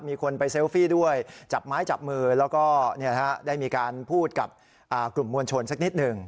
มีคนไปเซลฟี่ด้วยจับไม้จับมือแล้วก็ได้มีการพูดกับกลุ่มมวลชนสักนิดหนึ่ง